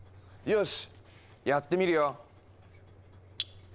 よしやってみるよ！